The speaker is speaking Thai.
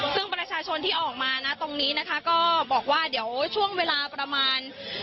ซึ่งประชาชนที่ออกมานะตรงนี้นะคะก็บอกว่าเดี๋ยวช่วงเวลาประมาณ